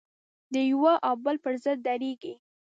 د یوه او بل پر ضد درېږي.